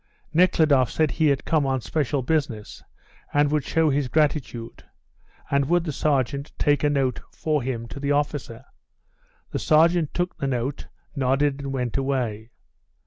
Nekhludoff said he had come on special business, and would show his gratitude, and would the sergeant take a note for him to the officer. The sergeant took the note, nodded, and went away.